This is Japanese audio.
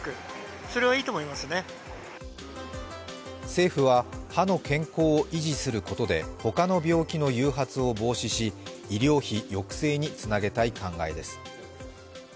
政府は歯の健康を維持することで他の病気の誘発を防止し医療費抑制につなげたい考えです。